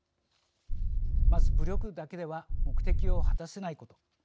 まず、武力だけでは目的を果たせないこと。